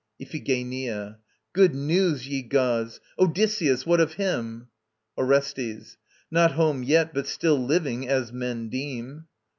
IPHIGENIA. Good news, ye gods! Odysseus, what of him? ORESTES. Not home yet, but still living, as men deem.